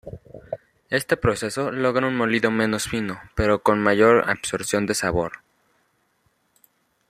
Este proceso logra un molido menos fino, pero con mayor absorción de sabor.